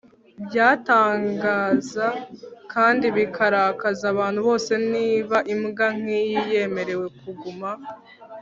byatangaza kandi bikarakaza abantu bose niba imbwa nkiyi yemerewe kuguma